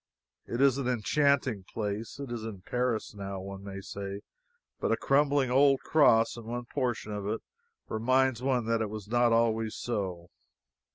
It is an enchanting place. It is in Paris now, one may say, but a crumbling old cross in one portion of it reminds one that it was not always so.